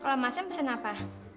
kalau masin pesen apa